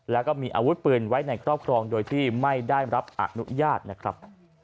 แล้วก็มีอาวุธปืนไว้ในครอบครองโดยที่ไม่ได้รับอนุญาตนะครับ